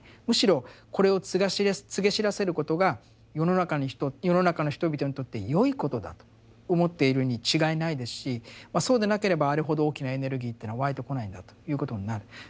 むしろこれを告げ知らせることが世の中の人々にとってよいことだと思っているに違いないですしそうでなければあれほど大きなエネルギーっていうのは湧いてこないんだということになる。